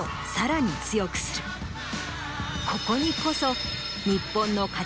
ここにこそ。